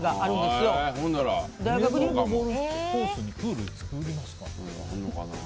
ゴルフコースにプール作りますかね？